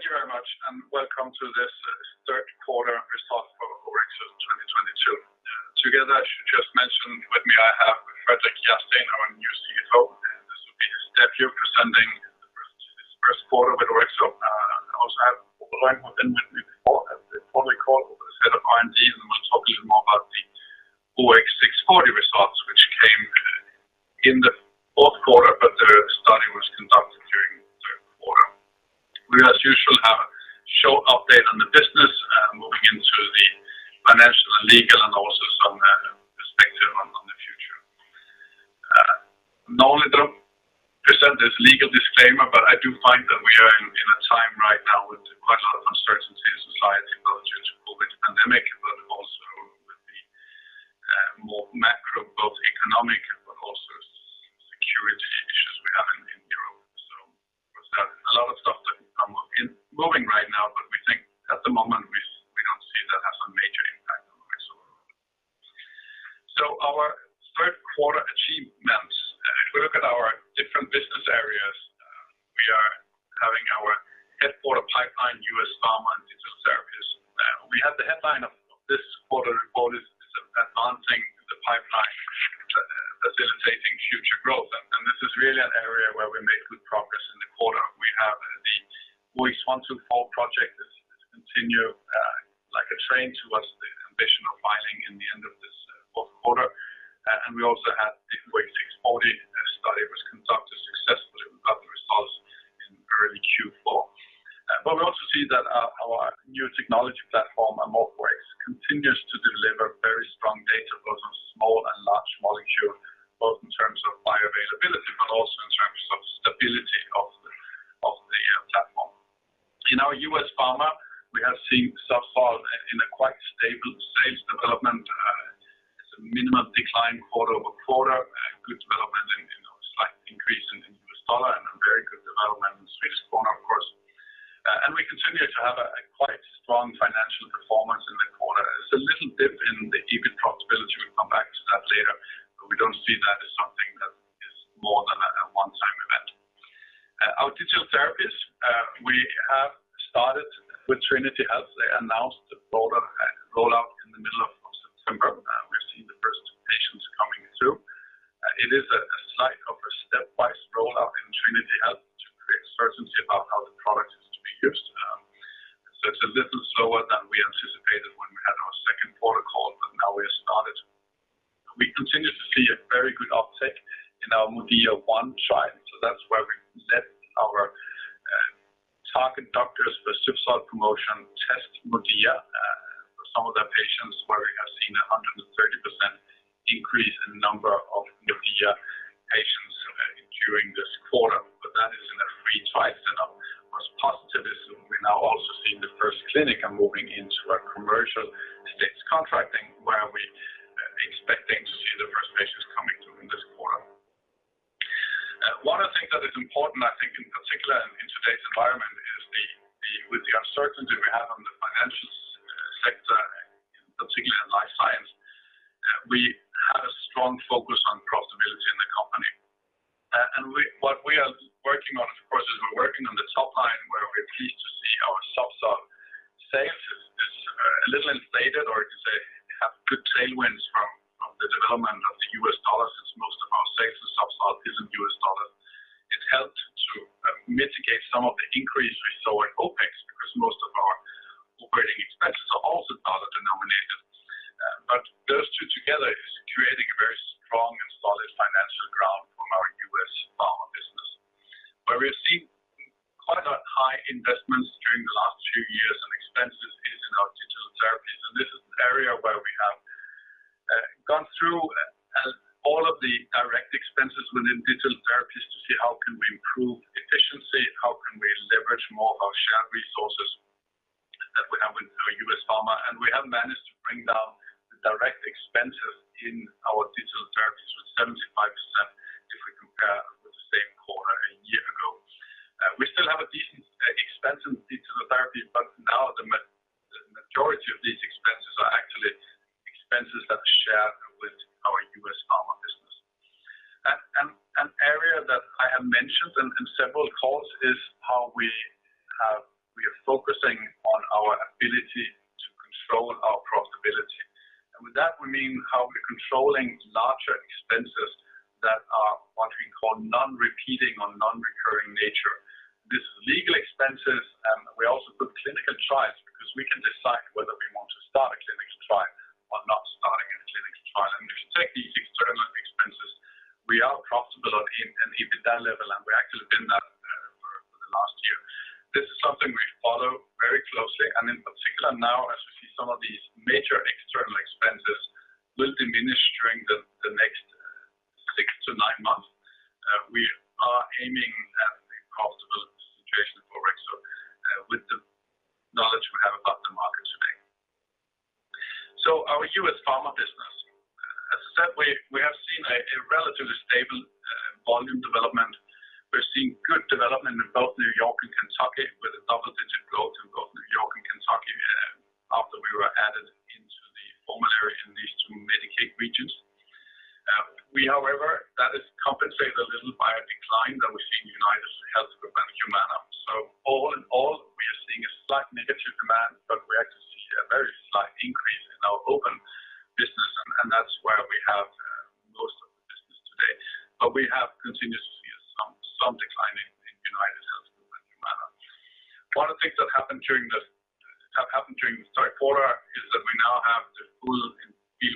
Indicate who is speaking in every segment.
Speaker 1: Thank you very much, and welcome to this Third Quarter Results for Orexo 2022. Together, I should just mention with me, I have Fredrik Järrsten, our new CTO, and this will be his debut presenting his first quarter with Orexo. Also I have Robert Rönn with me for the fourth call with the head of R&D, and we'll talk a little more about the OX640 results, which came in the fourth quarter, but the study was conducted during the third quarter. We as usual have a short update on the business, moving into the financial and legal and also some perspective on the future. Normally don't present this legal disclaimer, but I do find that we are in a time right now with quite a lot of uncertainty in society, not only due to COVID pandemic, but also with the more macro, both economic but also security issues we have in Europe. With that, a lot of stuff that is moving right now, but we think at the moment, we don't see that having some major impact on Orexo. Our third quarter achievements, if we look at our different business areas, we have our HQ and Pipeline, U.S. Pharma, Digital Therapies. We have the headline of this quarter report is advancing the pipeline to facilitate future growth. This is really an area where we made good progress in the quarter. We have the OX124 project is continuing like a train towards the ambition of filing in the end of this fourth quarter. We also had the OX640 study was conducted successfully. We got the results in early Q4. We also see that our new technology platform, AmorphOX, continues to deliver very strong data both on small and large molecule, both in terms of bioavailability but also in terms of stability of the platform. In our U.S. Pharma, we have seen ZUBSOLV in a quite stable sales development. It's a minimal decline quarter-over-quarter, good development in, you know, slight increase in U.S. dollar and a very good development in Swedish krona, of course. We continue to have a quite strong financial performance in the quarter. It's a little dip in the EBIT profitability. We'll come back to that later, but we don't see that as something that is more than a one-time event. Our Digital Therapies, we have started with Trinity Health. They announced the rollout in the middle of September, and we've seen the first patients coming through. It is a sort of a stepwise rollout in Trinity Health to create certainty about how the product is to be used. It's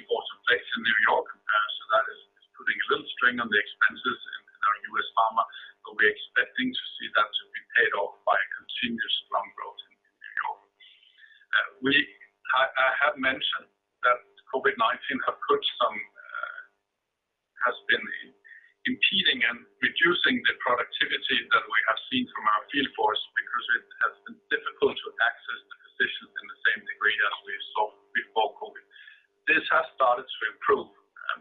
Speaker 1: force in place in New York, and so that is putting a little strain on the expenses in our U.S. Pharma, but we're expecting to see that to be paid off by continuous strong growth in New York. I have mentioned that COVID-19 has been impeding and reducing the productivity that we have seen from our field force because it has been difficult to access the physicians in the same degree as we saw before COVID. This has started to improve,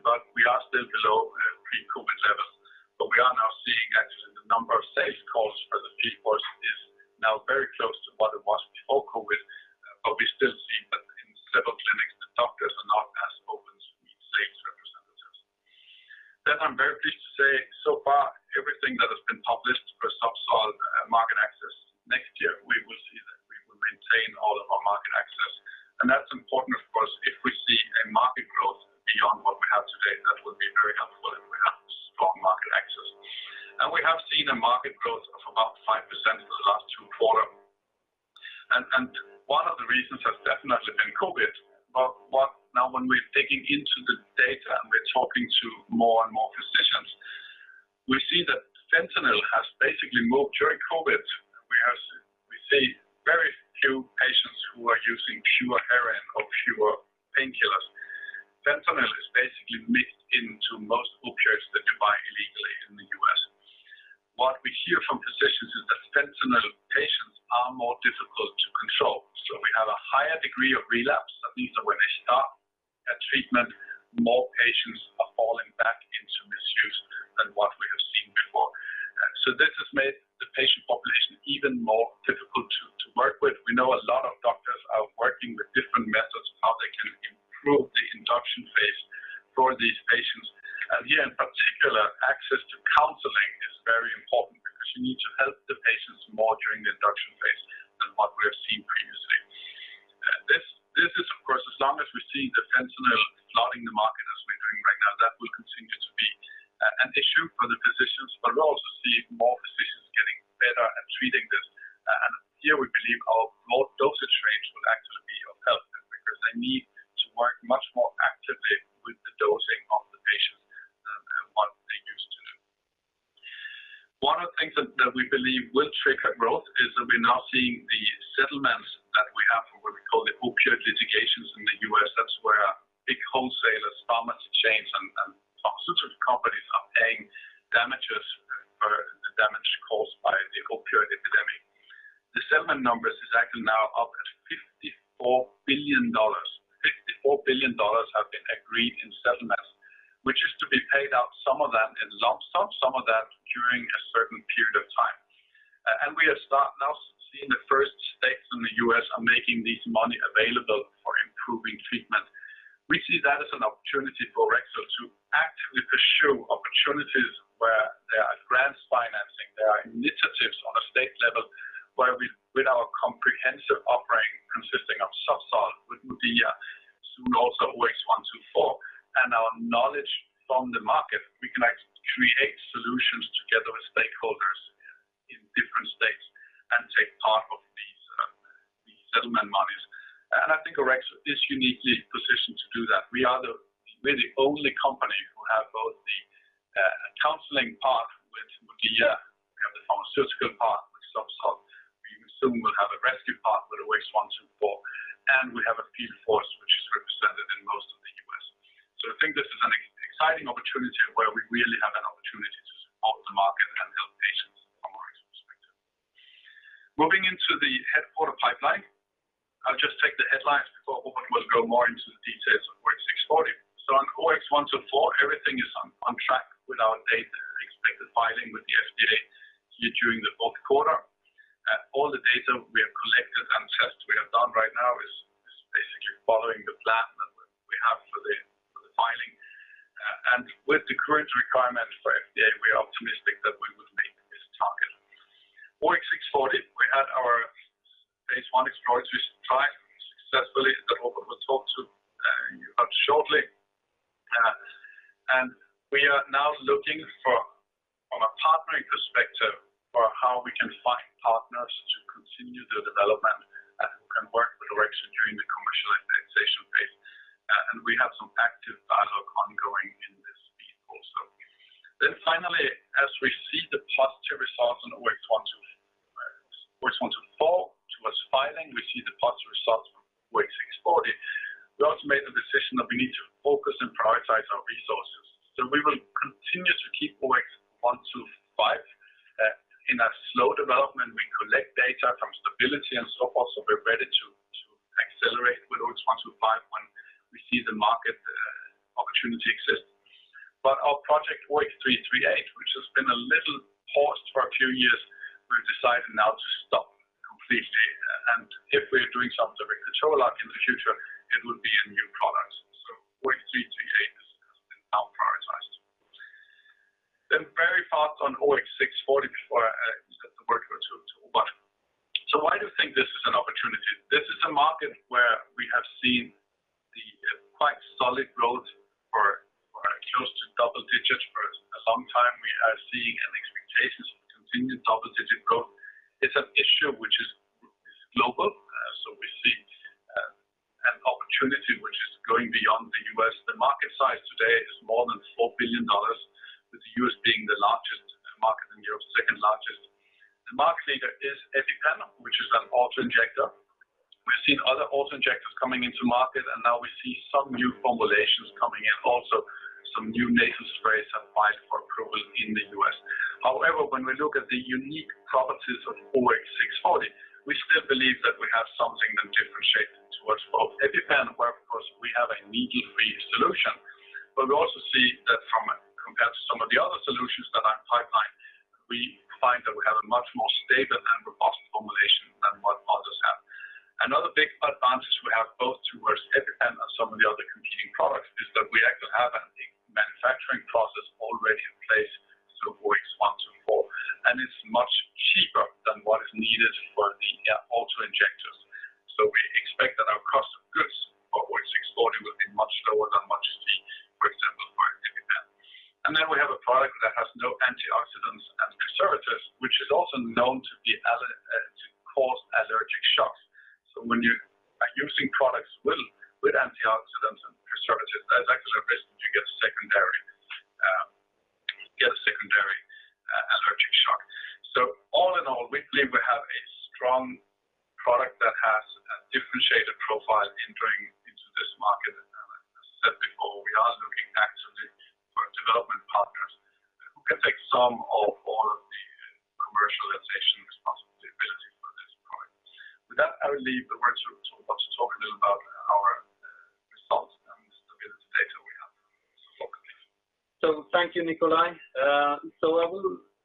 Speaker 1: but we are still below pre-COVID levels. We are now seeing actually the number of sales calls for the field force is now very close to what it was before COVID, but we still see that in several clinics, the doctors are not as open to meet sales representatives. I'm very pleased to say, so far, everything that has been published for ZUBSOLV market access next year, we will see that we will maintain all of our market access. That's important, of course, if we see a market growth beyond what we have today. That would be very helpful if we have strong market access. We have seen a market growth of about 5% for the last two quarters. One of the reasons has definitely been COVID. When we're digging into the data and we're talking to more and more physicians, we see that fentanyl has basically moved during COVID. We see very few patients who are using pure heroin or pure painkillers. Fentanyl is basically mixed into most opioids that you buy illegally in the U.S. What we hear from physicians is that fentanyl patients are more difficult to control. So we have a higher degree of relapse. That means that when they start a treatment, more patients are falling back into misuse than what we have seen before. This has made the patient population even more difficult to work with. We know a lot of doctors are working with different methods, how they can improve the induction phase for these patients. Here in particular, access to counseling is very important because you need to help the patients more during the induction phase than what we have seen previously. This is, of course, as long as we're seeing the fentanyl flooding the market as we're doing right now, that will continue to be an issue for the physicians. We're also seeing more physicians getting better at treating this. Here we believe our more dosage range will actually be of help because they need to work much more actively with the dosing of the patients than what they used to do. One of the things that we believe will trigger growth is that we're now seeing the settlements that we have for what we call the opioid litigations in the U.S.. That's where big wholesalers, pharmacy chains, and pharmaceutical companies are paying damages for the damage caused by the opioid epidemic. The settlement numbers is actually now up at $54 billion. $54 billion have been agreed in settlements, which is to be paid out, some of that in lump sum, some of that during a certain period of time. We are now seeing the first states in the U.S. are making this money available for improving treatment. We see that as an opportunity for Orexo to actively pursue opportunities where there are grants financing, there are initiatives on a state level where with our comprehensive offering consisting of ZUBSOLV with MODIA, soon also OX124, and our knowledge from the market, we can actually create solutions together with stakeholders in different states and take part of these settlement monies. I think Orexo is uniquely positioned to do that. We are the only company who have both the counseling part with MODIA, we have the pharmaceutical part with ZUBSOLV. We soon will have a rescue part with OX124, and we have a field force which is represented in most of the U.S. I think this is an exciting opportunity where we really have an opportunity to support the market and help patients from our perspective. Moving into the headquarters pipeline. I'll just take the headlines before Robert will go more into the details of OX640. On OX124, everything is on track with our NDA expected filing with the FDA here during the fourth quarter. All the data we have collected and tests we have done right now is basically following the plan that we have for the filing. With the current requirements for FDA, we are optimistic that we will make this target. OX640, we had our phase I exploratory trial successfully that Robert will talk to you about shortly. We are now looking from a partnering perspective, for how we can find partners to continue the development and who can work with Orexo during the commercialization phase. We have some active dialogue ongoing in this field also. Finally, as we see the positive results on OX124 towards filing, we see the positive results from OX640. We also made the decision that we need to focus and prioritize our resources. We will continue to keep OX125 in a slow development. We collect data from stability and so forth, so we're ready to accelerate with OX125 when we see the market opportunity exists. Project OX338, which has been a little paused for a few years, we've decided now to stop completely. If we're doing something with the ketorolac in the future, it will be a new product. OX338 has now been prioritized. Very fast on OX640 before I hand it to Robert. Why do you think this is an opportunity? This is a market where we have seen quite solid growth for close to double digits for a long time. We are seeing expectations of continued double-digit growth. It's an issue which is global, so we see an opportunity which is going beyond the U.S. The market size today is more than $4 billion, with the U.S. being the largest market and Europe's second largest. The market leader is EpiPen, which is an auto-injector. We've seen other auto-injectors coming into market, and now we see some new formulations coming in, also some new nasal sprays applied for approval in the U.S. However, when we look at the unique properties of OX640, we still believe that we have something that differentiates towards both EpiPen, where of course, we have a needle-free solution.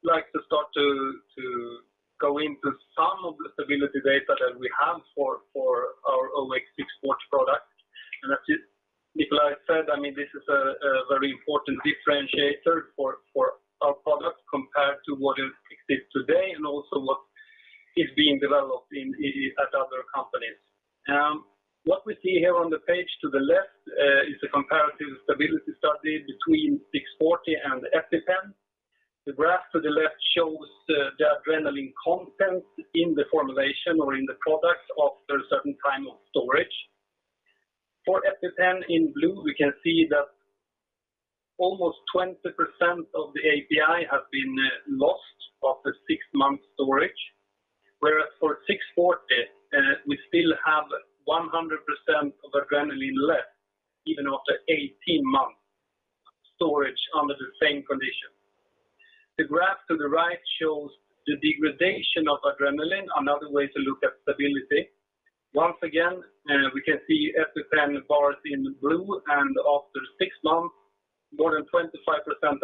Speaker 2: like to start to go into some of the stability data that we have for our OX640 product. As Nikolaj said, this is a very important differentiator for our product compared to what is exist today and also what is being developed at other companies. What we see here on the page to the left is a comparative stability study between OX640 and EpiPen. The graph to the left shows the adrenaline content in the formulation or in the product after a certain time of storage. For EpiPen in blue, we can see that almost 20% of the API has been lost after six months storage, whereas for OX640, we still have 100% of adrenaline left even after 18 months storage under the same condition. The graph to the right shows the degradation of adrenaline, another way to look at stability. Once again, we can see EpiPen bars in blue, and after six months, more than 25%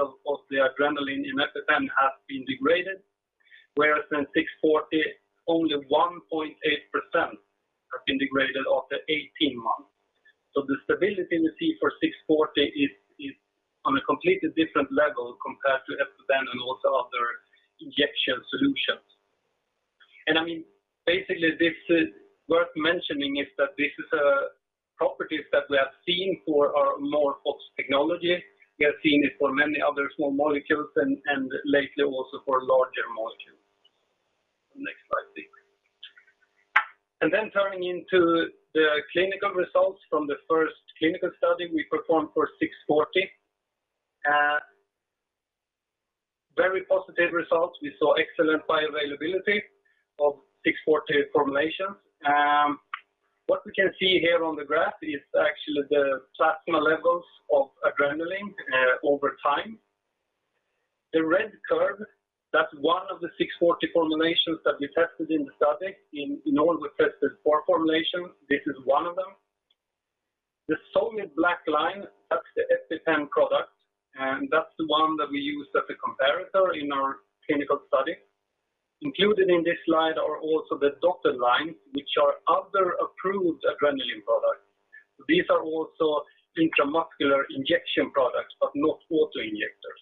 Speaker 2: of the adrenaline in EpiPen has been degraded, whereas in OX640, only 1.8% have been degraded after 18 months. The stability we see for OX640 is on a completely different level compared to EpiPen and also other injection solutions. I mean, basically, this is worth mentioning is that this is properties that we have seen for our AmorphOX technology. We have seen it for many other small molecules and lately also for larger molecules. Next slide, please. Turning into the clinical results from the first clinical study we performed for OX640. Very positive results. We saw excellent bioavailability of OX640 formulations. What we can see here on the graph is actually the plasma levels of adrenaline over time. The red curve, that's one of the OX640 formulations that we tested in the study. In all, we tested four formulations. This is one of them. The solid black line, that's the EpiPen product, and that's the one that we used as a comparator in our clinical study. Included in this slide are also the dotted line, which are other approved adrenaline products. These are also intramuscular injection products, but not auto-injectors.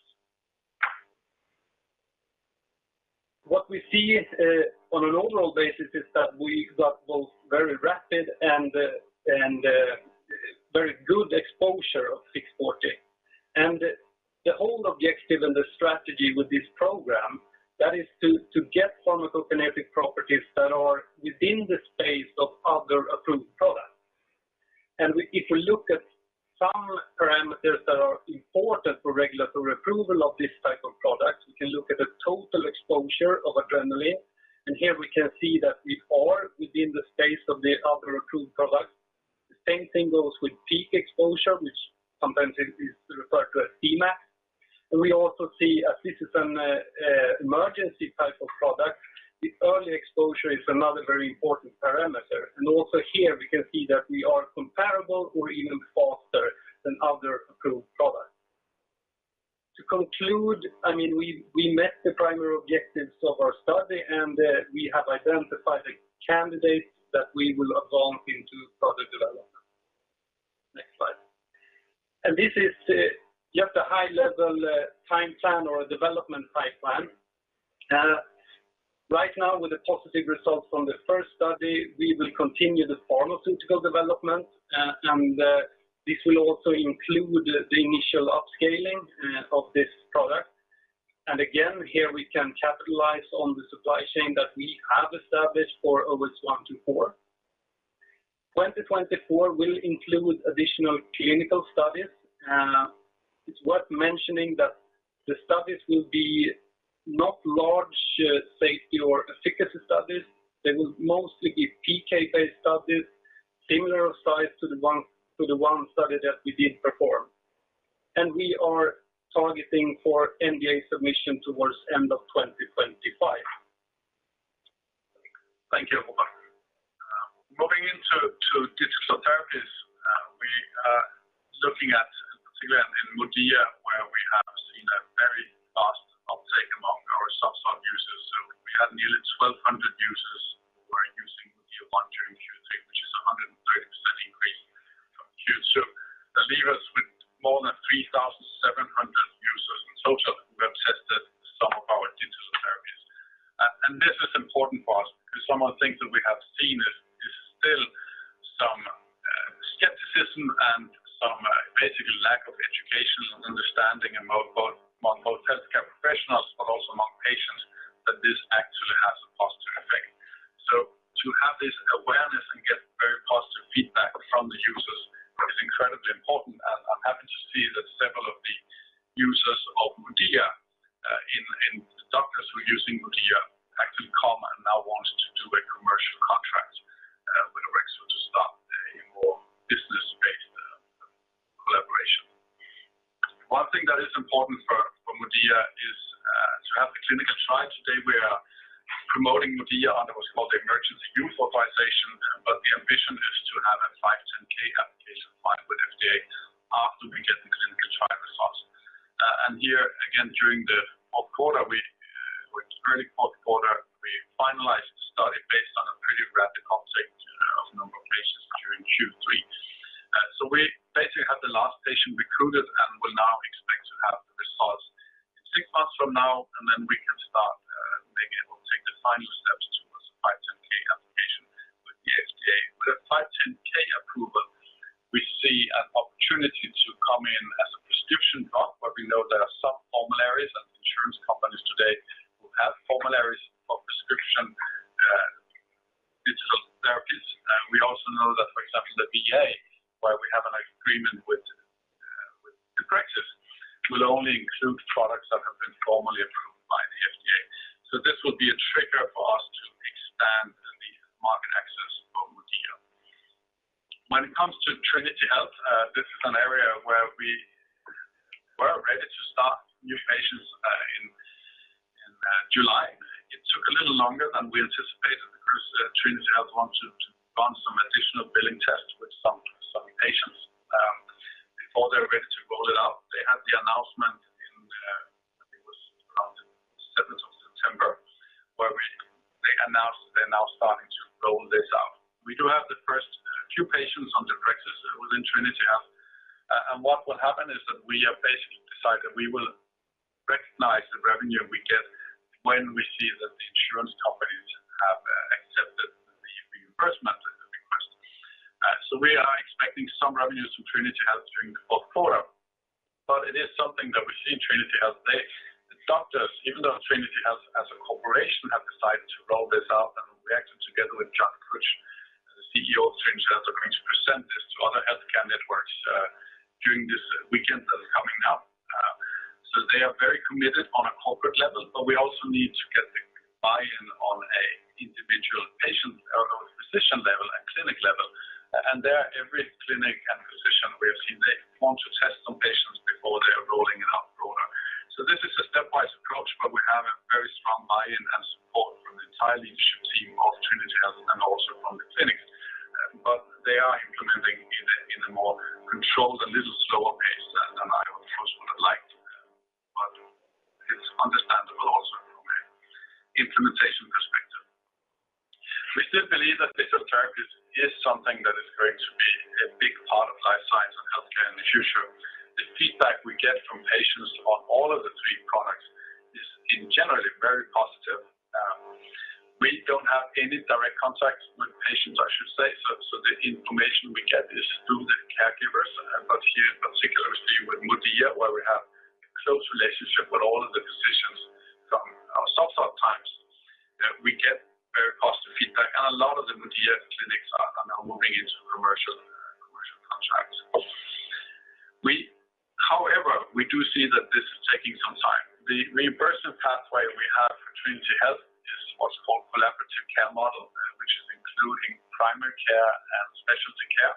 Speaker 2: What we see, on an overall basis, is that we got both very rapid and very good exposure of OX640. The whole objective and the strategy with this program, that is to get pharmacokinetic properties that are within the space of other approved products. If we look at some parameters that are important for regulatory approval of this type of product, we can look at the total exposure of adrenaline, and here we can see that we are within the space of the other approved products. The same thing goes with peak exposure, which sometimes is referred to as Cmax. We also see, as this is an emergency type of product. The early exposure is another very important parameter. Also here we can see that we are comparable or even faster than other approved products. To conclude, I mean, we met the primary objectives of our study, and we have identified the candidates that we will advance into further development. Next slide. This is just a high-level time plan or a development time plan. Right now, with the positive results from the first study, we will continue the pharmaceutical development. This will also include the initial upscaling of this product. Again, here we can capitalize on the supply chain that we have established for OS124.. 2024 will include additional clinical studies. It's worth mentioning that the studies will be not large, say, your efficacy studies. They will mostly be PK-based studies, similar size to the one study that we did perform. We are targeting for NDA submission towards end of 2025.
Speaker 1: Thank you Robert. Moving into Digital Therapies, we are looking at particularly in MODIA, where we have seen a very fast uptake among our soft spot users. We have nearly 1,200 users who are using MODIA I during Q2, which is a 130% increase from Q2. That leave us with more than 3,700 users on [total] who have tested some of our Digital Therapies. This is important for us because some of the things that we have seen is still some skepticism and some basically lack of education and understanding among both healthcare professionals but also among patients that this actually has a positive effect. To John Kutch, the CEO of Trinity Health, are going to present this to other healthcare networks during this weekend that is coming up. They are very committed on a corporate level, but we also need to get the buy-in on a individual patient or physician level and clinic level. There, every clinic and physician we have seen, they want to test on patients before they are rolling it out broader. This is a stepwise approach, but we have a very strong buy-in and support from the entire leadership team of Trinity Health and also from the clinics. They are implementing in a more controlled, a little slower pace than I of course would have liked. It's understandable also from an implementation perspective. We still believe that Digital Therapies is something that is going to be a big part of Life Science and healthcare in the future. The feedback we get from patients on all of the three products is in general very positive. We don't have any direct contact with patients, I should say. The information we get is through the caregivers. Here, particularly with MODIA, where we have a close relationship with all of the physicians from our soft start times, we get very positive feedback. A lot of the MODIA clinics are now moving into commercial contracts. However, we do see that this is taking some time. The reimbursement pathway we have for Trinity Health is what's called Collaborative Care Model, which is including primary care and specialty care.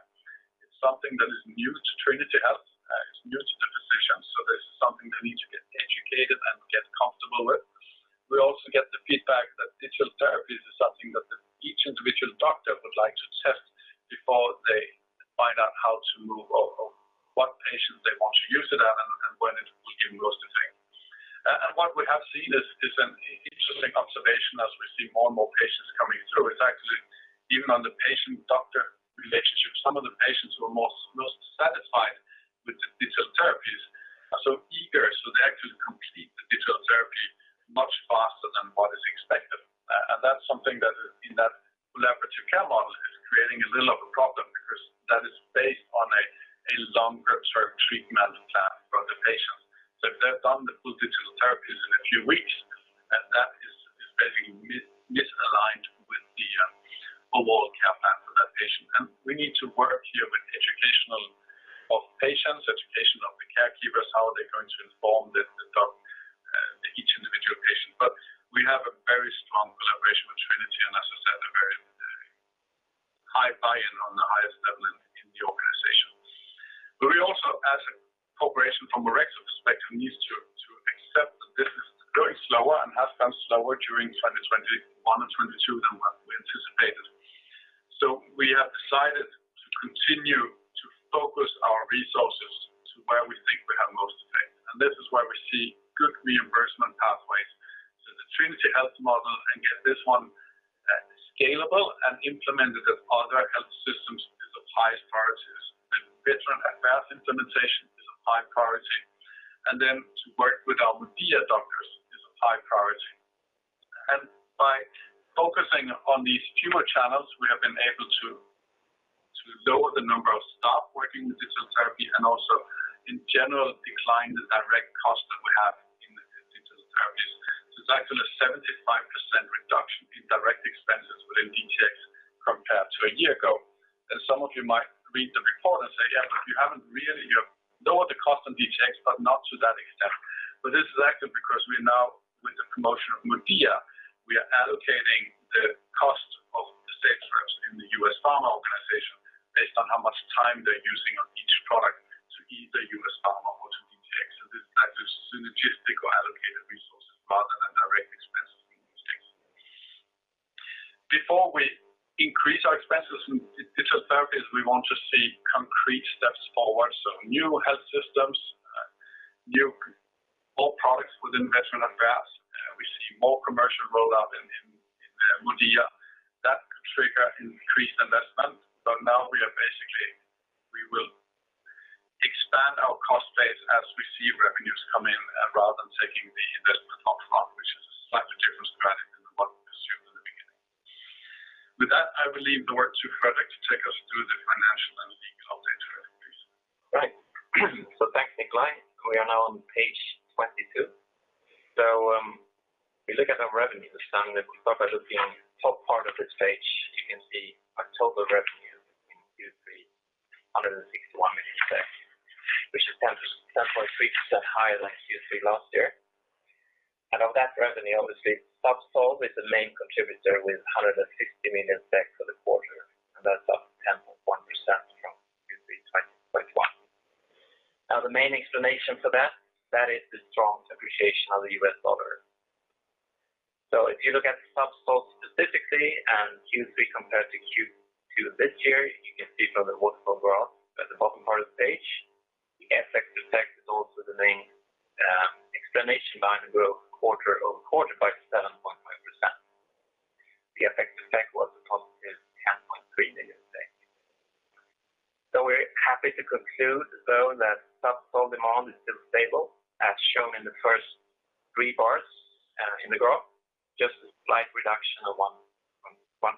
Speaker 1: It's something that is new to Trinity Health. [inaudible] They need to get educated and get comfortable with. We also get the feedback that Digital Therapies is something that each individual doctor would like to test before they find out how to or what patients they want to use it and when it will give most effect. What we have seen is an interesting observation as we see more and more patients coming through. It's actually even on the patient-doctor relationship, some of the patients who are most satisfied with the Digital Therapies are so eager to actually complete the digital therapy much faster than what is expected. That's something that in that Collaborative Care Model is creating a little of a problem because that is based on a longer term treatment plan for the patients. If they've done the full Digital Therapies in a few weeks, and that is basically misaligned with the overall care plan for that patient. We need to work here with education of patients, education of the caregivers, how are they going to inform the doc each individual patient. We have a very strong collaboration with Trinity, and as I said, a very high buy-in on the highest level in the organization. We also, as a corporation from an Orexo perspective, needs to accept that this is growing slower and has been slower during 2021 and 2022 than what we anticipated. We have decided to continue to focus our resources to where we think we have most effect, and this is where we see good reimbursement pathways. The Trinity Health model and get this one scalable and implemented as other health systems is of highest priority. The Veterans Affairs implementation is a high priority, and then to work with our MODIA doctors is a high priority. By focusing on these fewer channels, we have been able to lower the number of staff working with digital therapy and also in general decline the direct cost that we have in the Digital Therapies. It's actually a 75% reduction in direct expenses within DTx compared to a year ago. Some of you might read the report and say, "Yeah, you’ve lowered the cost on DTx, but not to that extent." This is actually because we are now with the promotion of MODIA, we are allocating the cost of the sales reps in the U.S. Pharma organization based on how much time they're using on each product to either U.S. Pharma or to DTx. This type of synergistic or allocated resources rather than direct expenses in these things. Before we increase our expenses in Digital Therapies, we want to see concrete steps forward. New health systems, more products within Veterans Affairs. We see more commercial rollout in MODIA. That could trigger increased investment. Now we will expand our cost base as we see revenues come in rather than taking the investment up front, which is a slightly different strategy than what we pursued in the beginning. With that, I will leave the word to Fredrik to take us through the financial and the update here, please.
Speaker 3: Right. Thanks, Nikolaj. We are now on page 22. We look at our revenue stream. If we start by looking at the top part of this page, you can see total revenue in Q3, SEK 161 million, which is 10.3% higher than Q3 last year. Of that revenue, obviously, ZUBSOLV is the main contributor with 160 million for the quarter, and that's up 10.4% from Q3 2021. Now the main explanation for that is the strong appreciation of the U.S. dollar. If you look at the ZUBSOLV specifically and Q3 compared to Q2 this year, you can see from the waterfall graph at the bottom part of the page, the FX effect is also the main explanation behind the growth quarter-over-quarter by 7.5%. The FX effect was a positive SEK 10.3 million. We're happy to conclude, though, that ZUBSOLV demand is still stable as shown in the first three bars in the graph, just a slight reduction of 1%.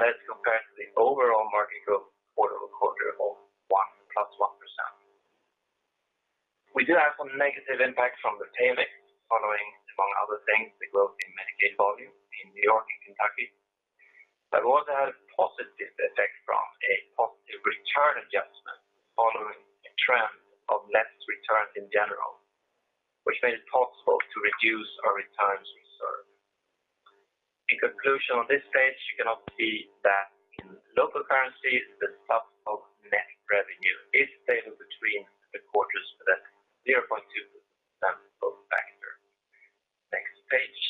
Speaker 3: That's compared to the overall market growth quarter-over-quarter of 1%. We do have some negative impacts from the tail risk following, among other things, the growth in Medicaid volume in New York and Kentucky. We also have a positive effect from a positive return adjustment following a trend of less returns in general, which made it possible to reduce our returns reserve. In conclusion on this page, you can also see that in local currencies, the ZUBSOLV net revenue is stable between the quarters for that 0.2 sample factor. Next page,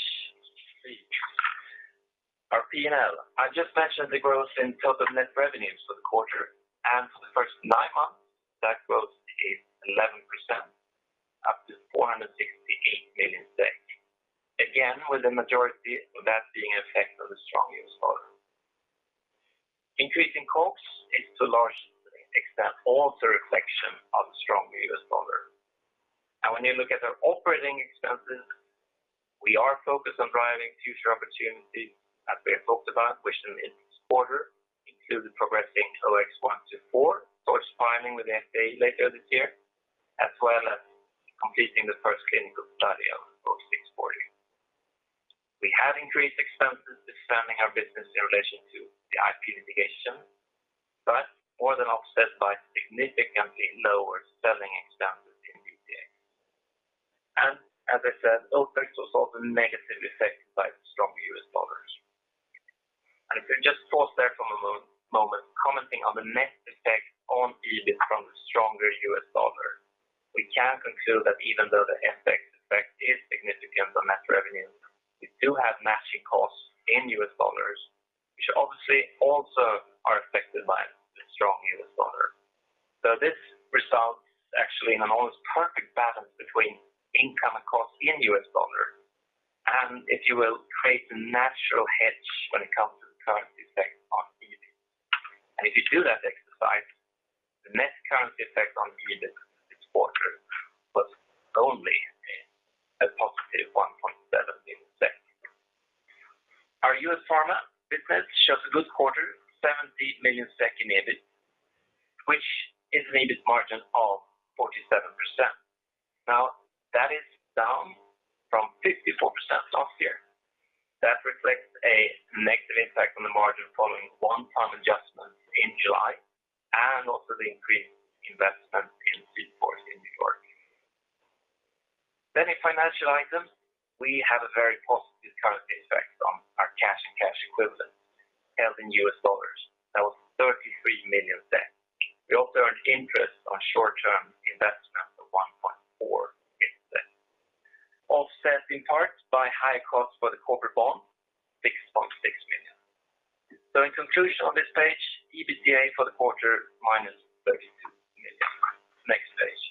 Speaker 3: please. Our P&L, I just mentioned the growth in total net revenues for the quarter and for the first nine months. That growth is 11% up to 468 million. Again, with the majority of that being the effect of the strong U.S. dollar. Increase in COGS is to a large extent also a reflection of the strong U.S. dollar. Now when you look at our operating expenses, we are focused on driving future opportunities as we have talked about, which in this quarter included progressing OX124 NDA filing with the FDA later this year, as well as completing the first clinical study of OX640. We have increased expenses defending our business in relation to the IP litigation, but more than offset by significantly lower selling expenses in Q3. As I said, OpEx was also negatively affected by the strong U.S. dollar. Just pause there for a moment, commenting on the net effect on EBIT from the stronger U.S. dollar. We can conclude that even though the FX effect is significant on net revenue, we do have matching costs in U.S. dollars, which obviously also are affected by the strong U.S. dollar. This results actually in an almost perfect balance between income and costs in U.S. dollar, and if you will create the natural hedge when it comes to the currency effect on EBIT. If you do that exercise, the net currency effect on EBIT this quarter was only a positive 1.7 million. Our U.S. Pharma business shows a good quarter, 70 million SEK in EBIT, which is an EBIT margin of 47%. Now, that is down from 54% last year. That reflects a negative impact on the margin following one-time adjustments in July and also the increased investment in OX124. In financial items, we have a very positive currency effect on our cash and cash equivalent held in U.S. dollars. That was 33 million. We also earned interest on short-term investment of 1.4 million, offset in part by higher costs for the corporate bond, 6.6 million. In conclusion on this page, EBITDA for the quarter -32 million SEK. Next page.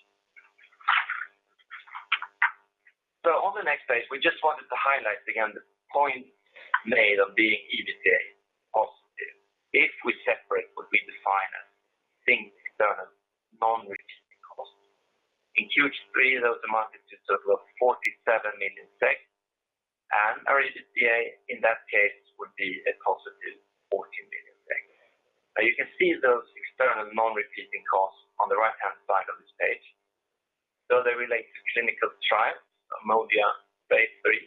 Speaker 3: On the next page, we just wanted to highlight again the point made of being EBITDA positive. If we separate what we define as things external non-recurring costs. In Q3, those amounted to sort of 47 million, and our EBITDA in that case would be a positive 14 million SEK. Now you can see those external non-repeating costs on the right-hand side of this page. They relate to clinical trials, MODIA phase III,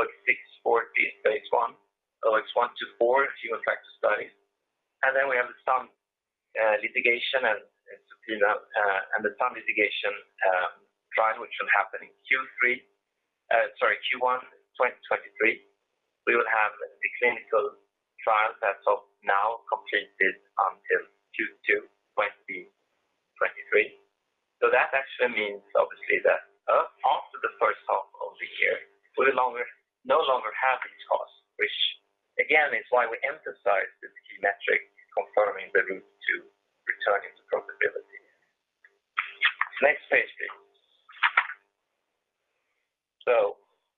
Speaker 3: OX640 phase I, OX124 geo effect study. Then we have the sum litigation and subpoena and the sum litigation trial, which will happen in Q1 2023. We will have the clinical trial that's of now completed until Q2 2023. That actually means obviously that, after the first half of the year, we're no longer have these costs, which again, is why we emphasize this key metric confirming the route to returning to profitability. Next page, please.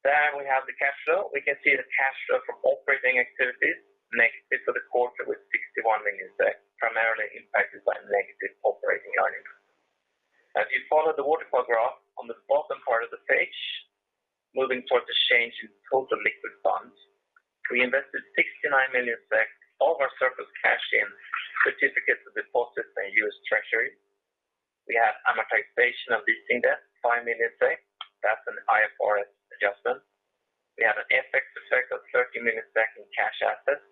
Speaker 3: There we have the cash flow. We can see the cash flow from operating activities negative for the quarter with 61 million, primarily impacted by negative operating items. As you follow the waterfall graph on the bottom part of the page, moving towards the change in total liquid funds, we invested 69 million, all of our surplus cash in certificates of deposit in U.S. Treasury. We have amortization of leasing debt, 5 million, that’s an IFRS adjustment. We have an FX effect of 13 million in cash assets,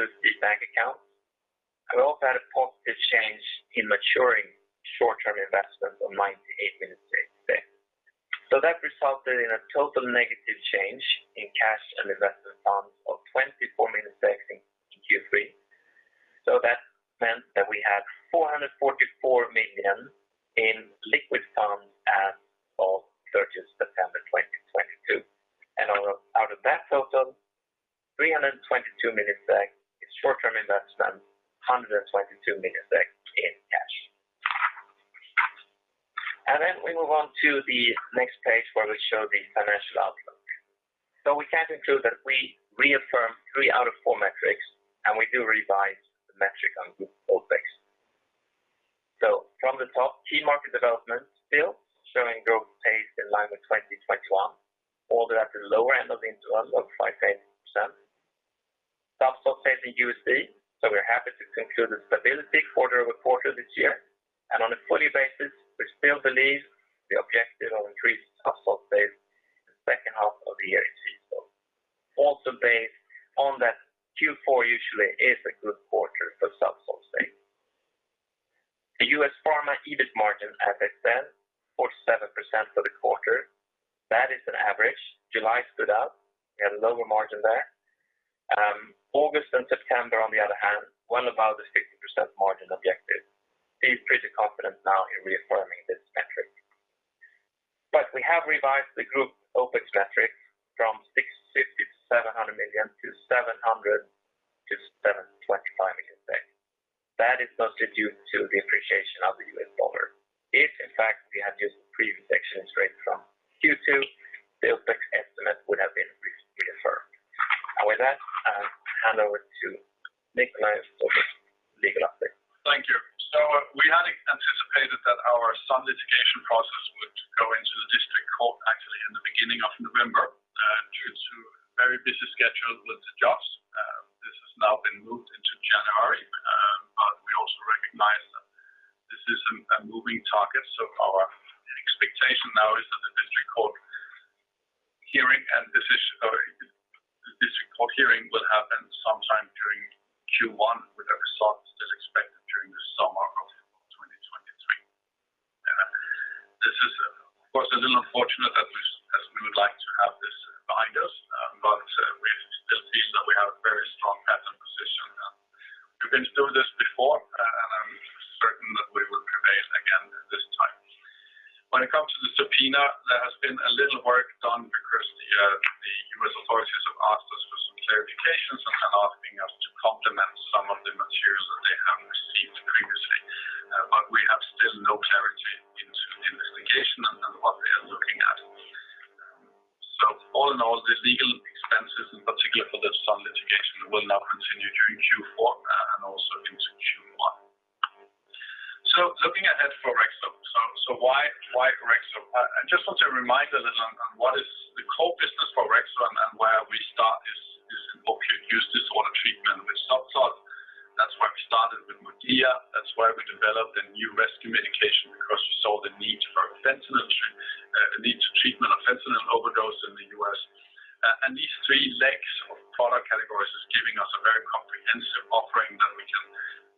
Speaker 3: USD bank accounts. We also had a positive change in maturing short-term investments of 98 million. That resulted in a total negative change in cash and investment funds of 24 million in Q3. That meant that we had 444 million in liquid funds as of 30th September 2022. Out of that total 322 million SEK in short-term investments, 122 million SEK in cash. We move on to the next page where we show the financial outlook. We can conclude that we reaffirm three out of four metrics, and we do revise the metric on group OpEx. From the top, key market development still showing growth pace in line with 2021, although at the lower end of the interval of 5%-8%. ZUBSOLV in USD, so we're happy to conclude the stability quarter-over-quarter this year. On a full-year basis, we still believe the objective of increased ZUBSOLV in the second half of the year is feasible. Also based on that Q4 usually is a good quarter for ZUBSOLV. The U.S. Pharma EBIT margin, as I said, 47% for the quarter. That is an average. July stood out. We had a lower margin there. August and September, on the other hand, well above the 50% margin objective. Feel pretty confident now in reaffirming this metric. We have revised the group OpEx metric from 650 million-700 million to 700 million-725 million. That is mostly due to the appreciation of the U.S. dollar. If in fact, we had used the previous exchange rate from Q2, the OpEx estimate would have been reaffirmed. With that, I'll hand over to Nikolaj for his legal update.
Speaker 1: Thank you. We had anticipated that our Sun litigation process would go into the district court actually in the beginning of November. Due to a very busy schedule with the judge, this has now been moved into January. We also recognize that this is a moving target. Our expectation now is that the district court hearing will happen sometime during Q1 with a result. Unfortunate that we, as we would like to have this behind us, but we still see that we have a very strong patent position. We've been through this before, and I'm certain that we will prevail again this time. When it comes to the subpoena, there has been a little work done because the U.S. authorities have asked us for some clarifications and are asking us to complement some of the materials that they have received previously. But we have still no clarity into the investigation and what they are looking at. All in all, the legal expenses, in particular for the Sun litigation, will now continue during Q4 and also into Q1. Looking ahead for Orexo. Why Orexo? I just want to remind a little on what is the core business for Orexo and then where we start this opioid use disorder treatment with ZUBSOLV. That's why we started with MODIA. That's why we developed a new rescue medication because we saw the need for treatment of fentanyl overdose in the U.S. These three legs of product categories is giving us a very comprehensive offering that we can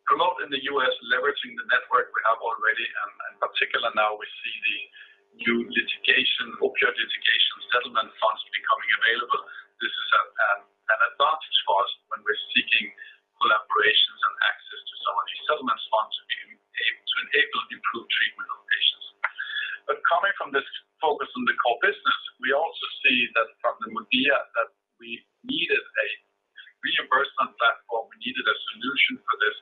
Speaker 1: promote in the U.S., leveraging the network we have already. In particular now we see the new opioid litigation settlement funds becoming available. This is an advantage for us when we're seeking collaborations and access to some of these settlement funds to enable improved treatment of patients. Coming from this focus on the core business, we also see that from the MODIA that we needed a reimbursement platform. We needed a solution for this,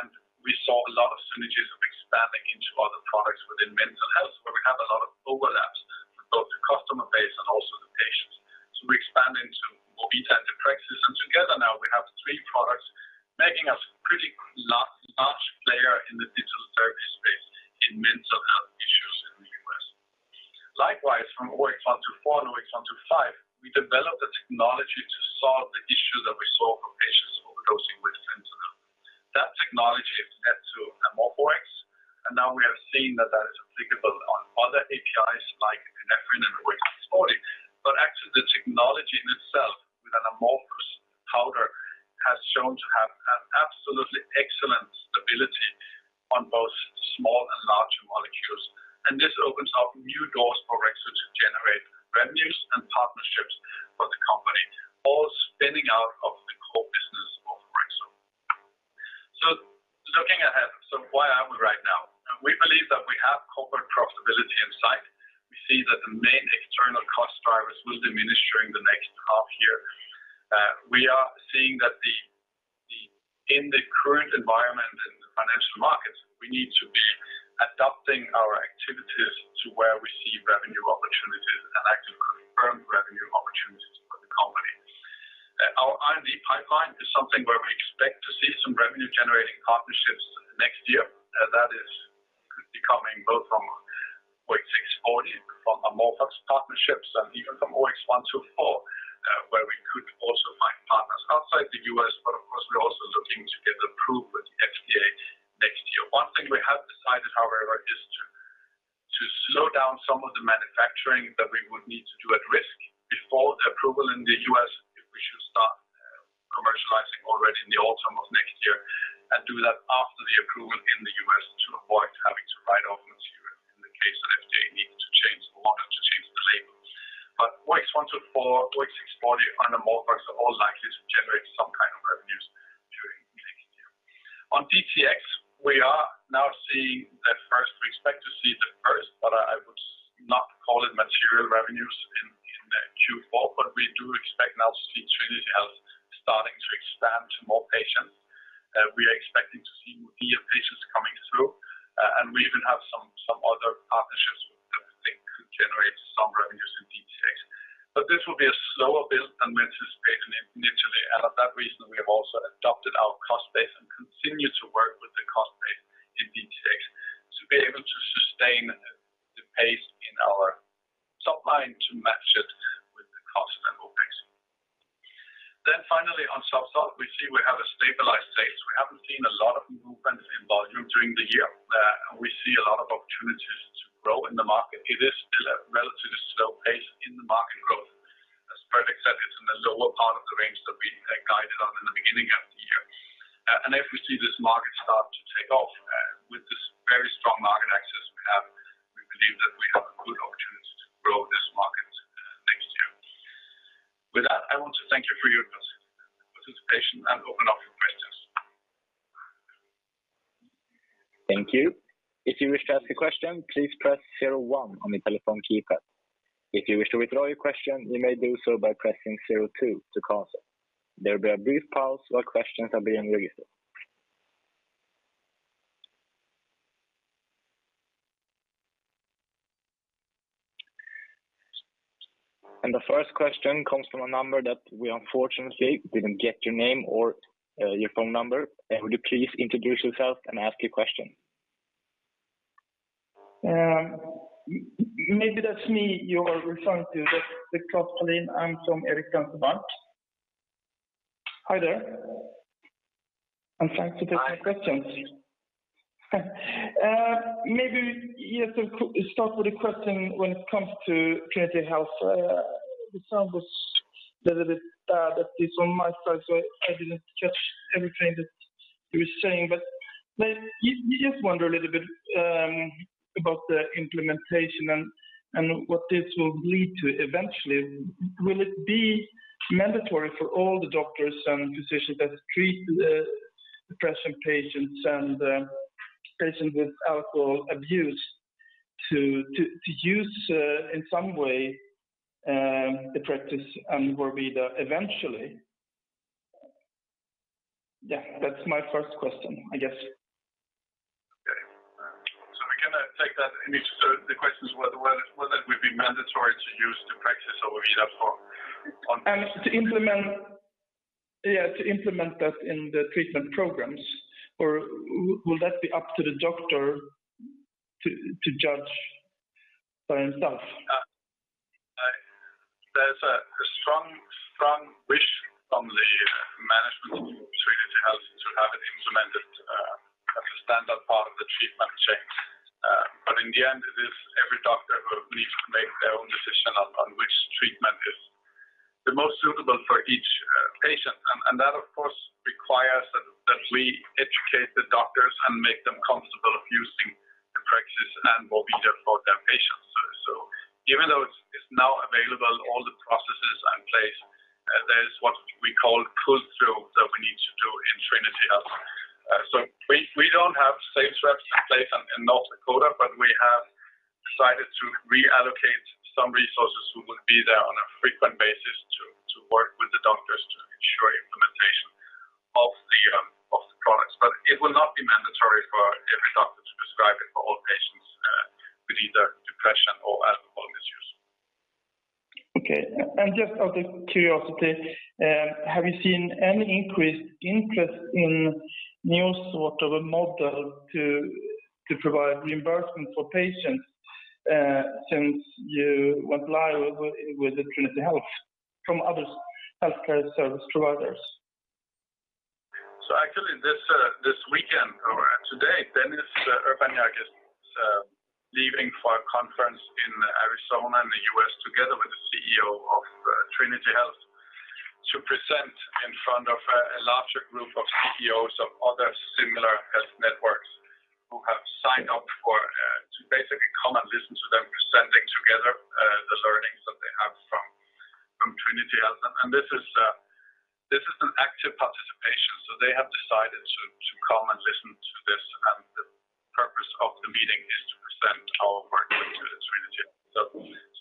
Speaker 1: and we saw a lot of synergies of expanding into other products within mental health where we have a lot of overlaps for both the customer base and also the patients. We expand into MODIA and Deprexis, and together now we have three products making us pretty large player in the Digital Therapies space in mental health issues in the U.S. Likewise, from OX124 and OX125, we developed the technology to solve the issue that we saw for patients overdosing with fentanyl. That technology led to AmorphOX, and now we have seen that that is applicable on other APIs like epinephrine and OX640. Actually the technology in itself with an AmorphOX powder has shown to have an absolutely excellent stability on both small and larger molecules. This opens up new doors for Orexo to generate revenues and partnerships for the company, all spinning out of the core business of Orexo. Looking ahead, where are we right now? We believe that we have corporate profitability in sight. We see that the main external cost drivers will diminish during the next half year. We are seeing that in the current environment in the financial markets, we need to be adapting our activities to where we see revenue opportunities and actually confirmed revenue opportunities for the company. Our R&D pipeline is something where we expect to see some revenue generating partnerships next year. That is coming both from OX640, from AmorphOX partnerships and even from OX124, where we could also find partners outside the U.S. Of course, we're also looking to get approval with the FDA next year. One thing we have decided, however, is to slow down some of the manufacturing that we would need to do at risk before the approval in the U.S. if we should start commercializing already in the autumn of next year and do that after the approval in the U.S. to avoid having to write off material in the case that FDA needs to change or want to change the label. OX124, OX640 and AmorphOX are all likely to generate some kind of revenues during next year. On DTx, we are now seeing that we expect to see the first, but I would not call it material revenues in Q4. We do expect now to see Trinity Health starting to expand to more patients. We are expecting to see MODIA patients coming through, and we even have some other partnerships that we think could generate some revenues in DTx. This will be a slower build than we anticipated initially, and for that reason we have also adapted our cost base and continue to work with the cost base in DTx to be able to sustain the pace in our top line to match it with the cost of AmorphOX. Finally on ZUBSOLV, we see we have a stabilized state. We haven't seen a lot of movements in volume during the year. We see a lot of opportunities to grow in the market. It is still a relatively slow pace in the market growth. As Fredrik said, it's in the lower part of the range that we guided on in the beginning of the year. If we see this market start to take off, with this very strong market access we have, we believe that we have a good opportunity to grow this market next year. With that, I want to thank you for your participation and open up for questions.
Speaker 4: Thank you. If you wish to ask a question, please press zero one on your telephone keypad. If you wish to withdraw your question, you may do so by pressing zero two to cancel. There will be a brief pause while questions are being registered. The first question comes from a number that we unfortunately didn't get your name or your phone number. Would you please introduce yourself and ask your question?
Speaker 5: Maybe that's me you are referring to. That's Klas Palin. I'm from Erik Penser Bank. Hi there. I'm trying to get my questions. Maybe you have to start with the question when it comes to Trinity Health. The sound was little bit, that is on my side, so I didn't catch everything that you were saying. You just wonder a little bit about the implementation and what this will lead to eventually. Will it be mandatory for all the doctors and physicians that treat depression patients and patients with alcohol abuse to use in some way the Deprexis and Vorvida eventually? Yeah, that's my first question, I guess.
Speaker 1: Okay. We can take that in each. The question is whether it would be mandatory to use the Deprexis or Vorvida for?
Speaker 5: To implement that in the treatment programs, or will that be up to the doctor to judge by himself?
Speaker 1: There's a strong wish from the management of Trinity Health to have it implemented as a standard part of the treatment chain. In the end, it is every doctor who needs to make their own decision on which treatment is the most suitable for each patient. That of course requires that we educate the doctors and make them comfortable with using Deprexis and Vorvida for their patients. Given that it's now available, all the processes are in place, there's what we call pull-through that we need to do in Trinity Health. We don't have sales reps in place in North Dakota, but we have decided to re-allocate some resources who will be there on a frequent basis to work with the doctors to ensure implementation of the products. It will not be mandatory for every doctor to prescribe it for all patients with either depression or alcohol misuse.
Speaker 5: Okay. Just out of curiosity, have you seen any increased interest in new sort of a model to provide reimbursement for patients, since you went live with the Trinity Health from other healthcare service providers?
Speaker 1: Actually this weekend or today, Dennis Urbaniak is leaving for a conference in Arizona in the U.S. together with the CEO of Trinity Health to present in front of a larger group of CEOs of other similar health networks who have signed up to basically come and listen to them presenting together the learnings that they have from Trinity Health. This is an active participation, they have decided to come and listen to this, and the purpose of the meeting is to present our partnership with Trinity Health.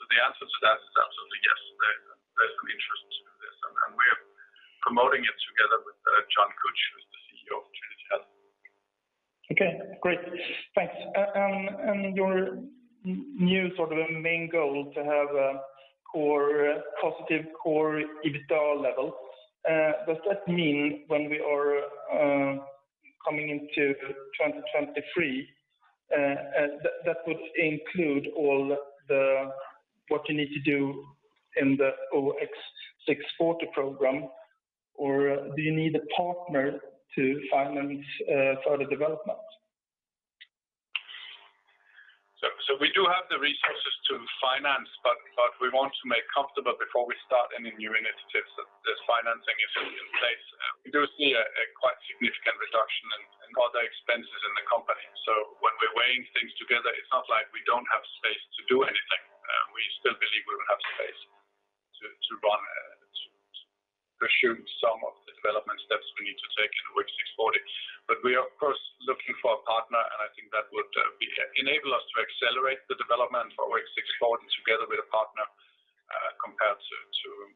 Speaker 1: The answer to that is absolutely yes. There's some interest to do this, and we're promoting it together with John Kutch, who's the CEO of Trinity Health.
Speaker 5: Okay, great. Thanks. Your new sort of main goal to have a core positive core EBITDA level, does that mean when we are coming into 2023, that would include all the what you need to do in the OX640 program, or do you need a partner to finance further development?
Speaker 1: We do have the resources to finance, but we want to make comfortable before we start any new initiatives that there's financing in place. We do see a quite significant reduction in other expenses in the company. When we're weighing things together, it's not like we don't have space to do anything. We still believe we will have space to run, to pursue some of the development steps we need to take in OX640. We are of course looking for a partner, and I think that would enable us to accelerate the development for OX640 together with a partner, compared to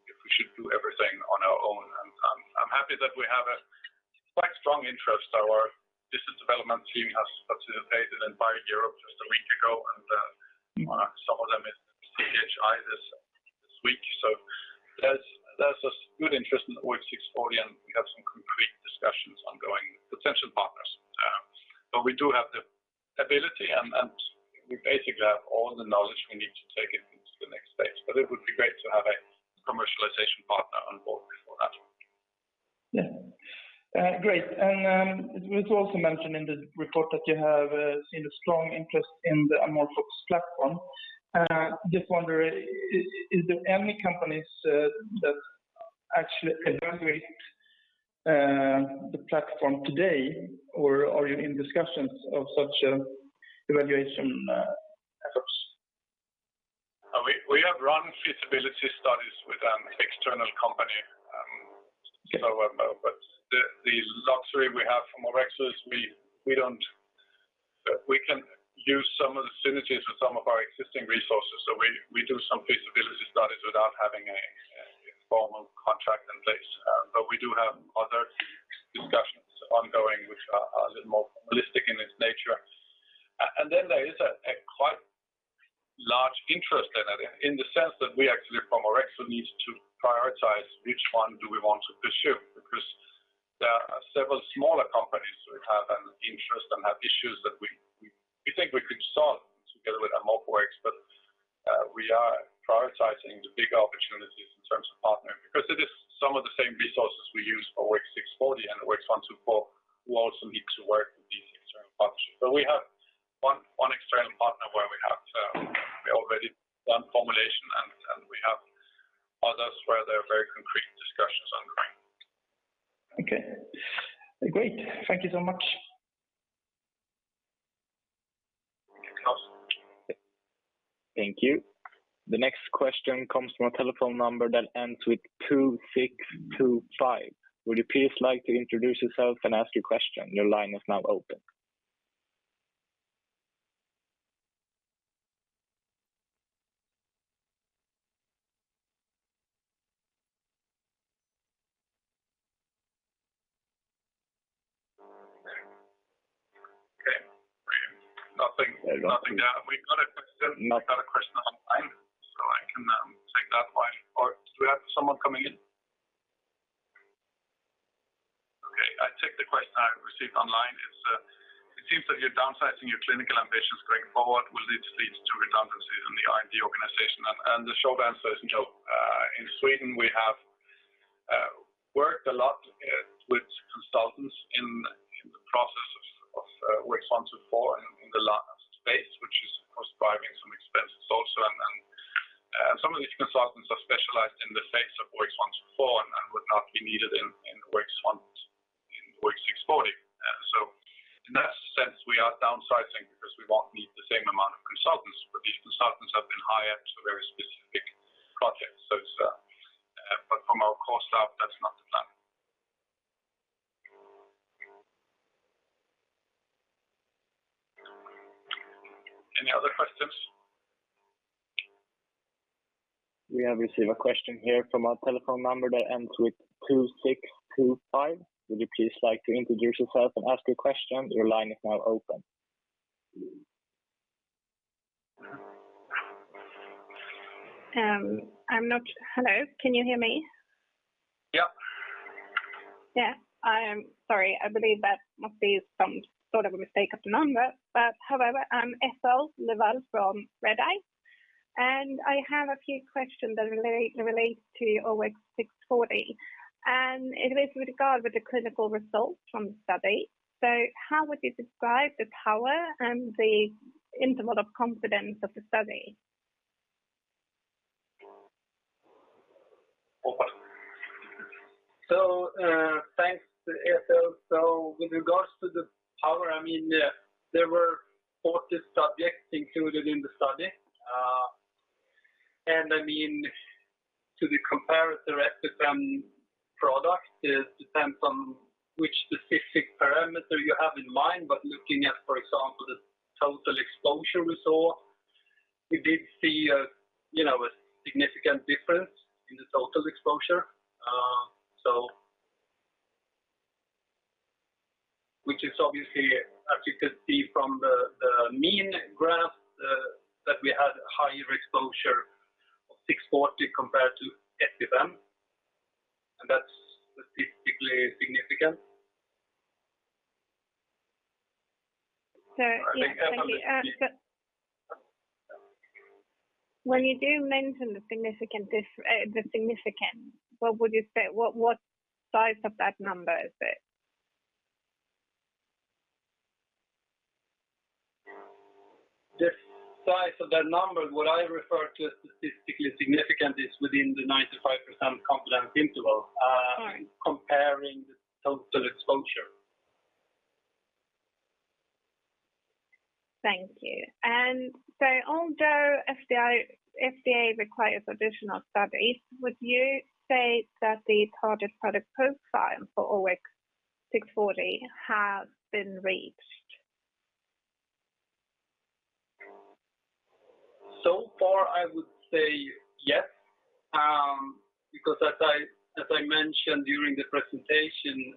Speaker 1: if we should do everything on our own. I'm happy that we have a quite strong interest. Our business development team has participated in BIO-Europe just a week ago, and some of them is CPhI this week. There's a good interest in OX640, and we have some concrete discussions ongoing with potential partners. We do have the ability and we basically have all the knowledge we need to take it into the next phase. It would be great to have a commercialization partner on board before that.
Speaker 5: Yeah. Great. It was also mentioned in the report that you have seen a strong interest in the AmorphOX platform. Just wondering, is there any companies that actually evaluate the platform today or are you in discussions of such evaluation efforts?
Speaker 1: We have run feasibility studies with an external company in November. The luxury we have from Orexo is we can use some of the synergies with some of our existing resources. We do some feasibility studies without having a formal contract in place. We do have other discussions ongoing which are a little more holistic in its nature. There is quite large interest in it in the sense that we actually from Orexo needs to prioritize which one do we want to pursue, because there are several smaller companies which have an interest and have issues that we think we could solve together with AmorphOX. We are prioritizing the big opportunities in terms of partnering. Because it is some of the same resources we use for OX640 and OX124 will also need to work with these external partners. We have one we already done formulation and we have others where there are very concrete discussions ongoing.
Speaker 2: Okay. Great. Thank you so much.
Speaker 1: No.
Speaker 4: Thank you. The next question comes from a telephone number that ends with 2625. Would you please like to introduce yourself and ask your question? Your line is now open.
Speaker 1: Okay. Nothing. We've got a question.
Speaker 4: Nothing.
Speaker 1: We've got a question online, so I can take that one. Or do we have someone coming in? Okay, I take the question I received online. It seems that you're downsizing your clinical ambitions going forward. Will this lead to redundancies in the R&D organization? The short answer is no. In Sweden, we have worked a lot with consultants in the process of OX124 in the last phase, which is causing some expenses also. Some of these consultants are specialized in the space of OX124 and would not be needed in OX640. In that sense, we are downsizing because we won't need the same amount of consultants. But these consultants have been hired for very specific projects. It's. But from our core staff, that's not the plan. Any other questions?
Speaker 4: We have received a question here from a telephone number that ends with 2625. Would you please like to introduce yourself and ask your question? Your line is now open.
Speaker 6: Hello, can you hear me?
Speaker 1: Yeah.
Speaker 6: Yeah. Sorry, I believe that must be some sort of a mistake of the number. However, I'm Ethel Luvall from Redeye, and I have a few questions that relate to OX640. It is with regard to the clinical results from the study. How would you describe the power and the interval of confidence of the study?
Speaker 1: Robert?
Speaker 2: Thanks, Ethel. With regards to the power, I mean, there were 40 subjects included in the study. I mean, to the comparator to some product, it depends on which specific parameter you have in mind. Looking at, for example, the total exposure we saw, we did see, you know, a significant difference in the total exposure. Which is obviously, as you could see from the mean graph, that we had higher exposure of OX640 compared to IM, and that's statistically significant.
Speaker 6: When you do mention the significance, what would you say? What size of that number is it?
Speaker 2: The size of that number, what I refer to as statistically significant is within the 95% confidence interval.
Speaker 6: All right.
Speaker 2: Comparing the total exposure.
Speaker 6: Thank you. Although FDA requires additional studies, would you say that the target product profile for OX640 have been reached?
Speaker 2: So far, I would say yes. Because as I mentioned during the presentation,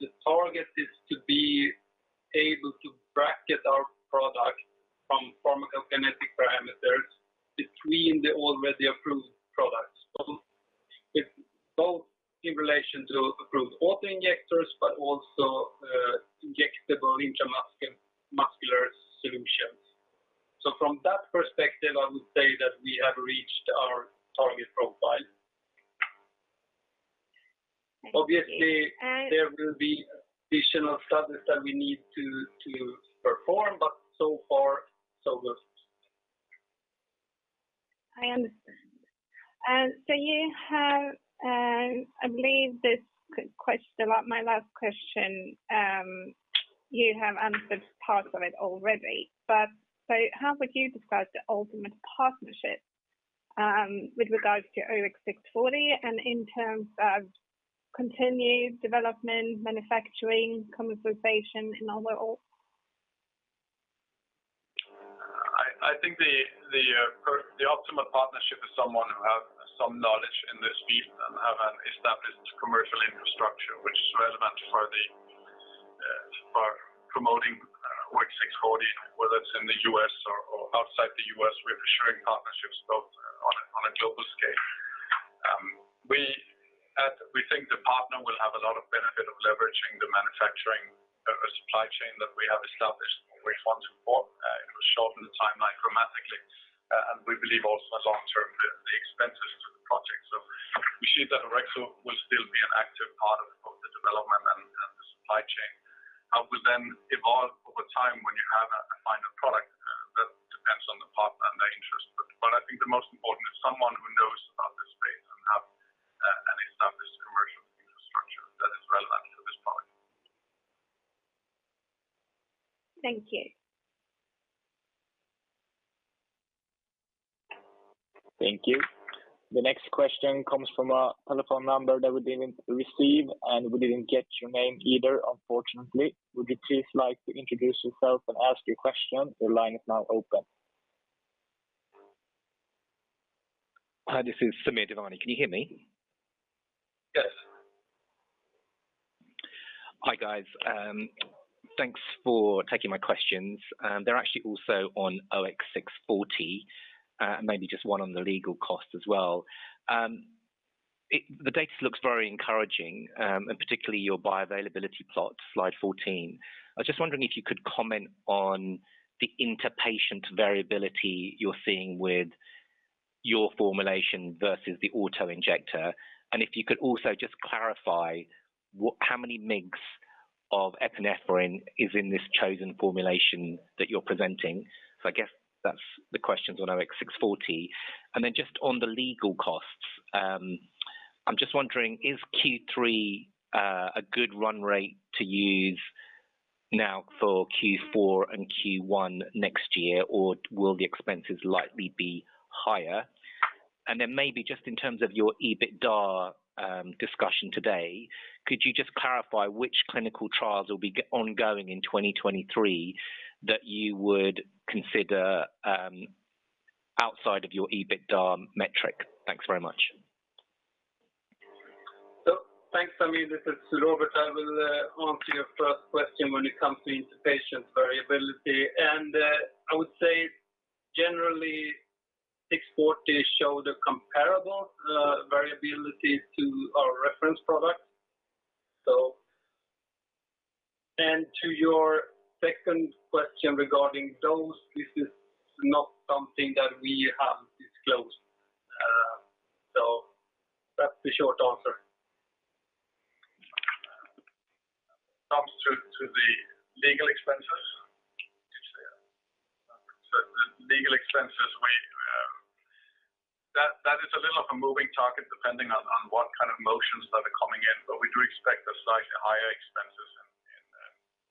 Speaker 2: the target is to be able to bracket our product from pharmacokinetic parameters between the already approved products. It's both in relation to approved autoinjectors, but also, injectable intramuscular solutions. From that perspective, I would say that we have reached our target profile.
Speaker 6: Thank you.
Speaker 2: Obviously, there will be additional studies that we need to perform, but so far, so good.
Speaker 6: I understand. You have, I believe this question, my last question, you have answered parts of it already. How would you describe the ultimate partnership with regards to OX640 and in terms of continued development, manufacturing, commercialization, and all that?
Speaker 1: I think the optimal partnership is someone who have some knowledge in this field and have an established commercial infrastructure which is relevant for promoting OX640, whether it's in the U.S. or outside the U.S. We're ensuring partnerships both on a global scale. We think the partner will have a lot of benefit of leveraging the manufacturing supply chain that we have established with OX124. It'll shorten the timeline dramatically and we believe also as long-term the expenses to the project. We see that Orexo will still be an active part of the development of the supply chain. It will then evolve over time when you have a final product that depends on the partner and their interest. I think the most important is someone who knows about the space and have an established commercial infrastructure that is relevant to this product.
Speaker 6: Thank you.
Speaker 4: Thank you. The next question comes from a telephone number that we didn't receive, and we didn't get your name either, unfortunately. Would you please like to introduce yourself and ask your question? Your line is now open.
Speaker 7: Hi, this is Samir Devani. Can you hear me?
Speaker 1: Yes.
Speaker 7: Hi, guys. Thanks for taking my questions. They're actually also on OX640. Maybe just one on the legal costs as well. The data looks very encouraging, and particularly your bioavailability plot, slide 14. I was just wondering if you could comment on the inter-patient variability you're seeing with your formulation versus the auto-injector. If you could also just clarify how many mg of epinephrine is in this chosen formulation that you're presenting? I guess that's the questions on OX640. Then just on the legal costs, I'm just wondering, is Q3 a good run rate to use now for Q4 and Q1 next year, or will the expenses likely be higher? Maybe just in terms of your EBITDA discussion today, could you just clarify which clinical trials will be ongoing in 2023 that you would consider outside of your EBITDA metric? Thanks very much.
Speaker 2: Thanks, Samir. This is Robert. I will answer your first question when it comes to inter-patient variability. I would say, generally, OX640 shows the comparable variability to our reference product. To your second question regarding dose, this is not something that we have disclosed. That's the short answer.
Speaker 1: When it comes to the legal expenses. The legal expenses, that is a little of a moving target depending on what kind of motions that are coming in, but we do expect a slightly higher expenses in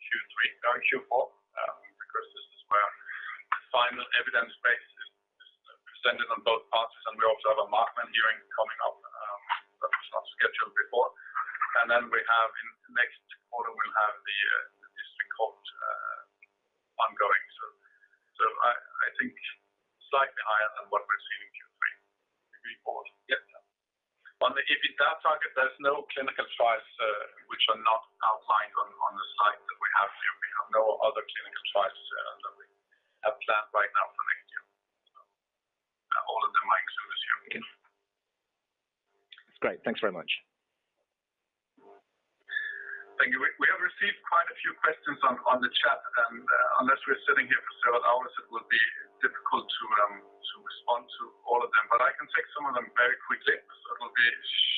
Speaker 1: Q3 or Q4, because this is where final evidence base is presented on both parties, and we also have a Markman hearing coming up that was not scheduled before. In next quarter, we'll have the district court ongoing. I think slightly higher than what we're seeing in Q3 before. Yes. On the EBITDA target, there's no clinical trials which are not outlined on the slide that we have here. We have no other clinical trials that we have planned right now for next year. All of them are in service here.
Speaker 7: Great. Thanks very much.
Speaker 1: Thank you. We have received quite a few questions on the chat, and unless we're sitting here for several hours, it will be difficult to respond to all of them. I can take some of them very quickly. It’ll be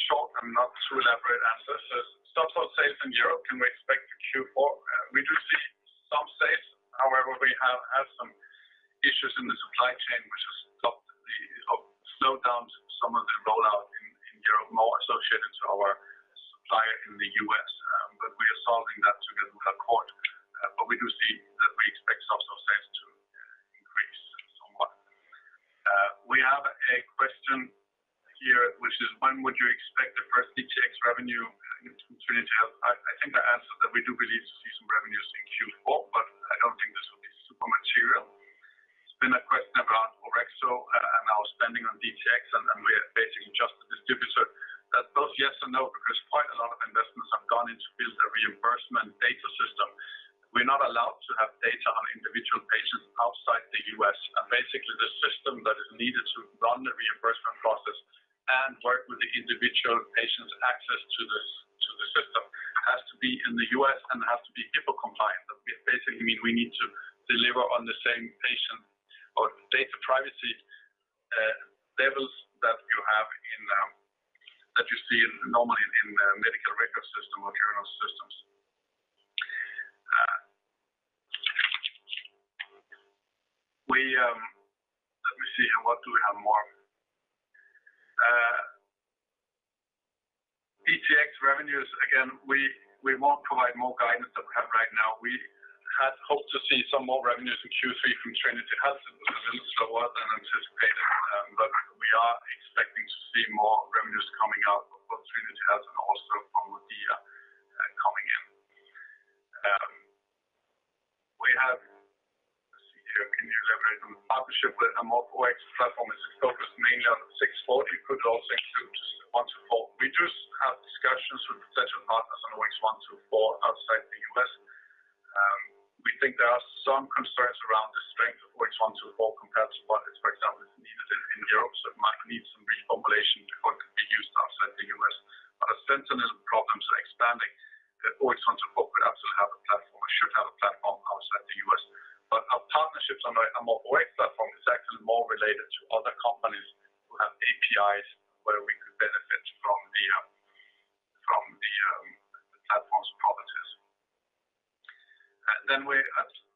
Speaker 1: short and not too elaborate answers. ZUBSOLV sales in Europe, can we expect a Q4? We do see some sales. However, we have had some issues in the supply chain which has stopped or slowed down some of the rollout in Europe, more associated to our supplier in the U.S.